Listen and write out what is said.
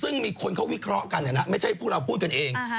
ซึ่งมีคนเขาวิเคราะห์กันไม่ใช่พวกเราพูดกันเอง